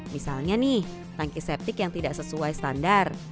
misalnya nih tangki septik yang tidak sesuai standar